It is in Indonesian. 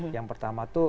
yang pertama tuh